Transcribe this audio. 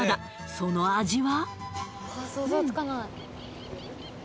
その味は？